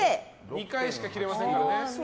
２回しか切れませんからね。